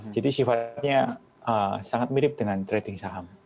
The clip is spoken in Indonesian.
jadi sifatnya sangat mirip dengan trading saham